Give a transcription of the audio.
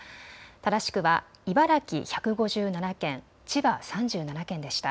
正しくは茨城１５７件、千葉３７件でした。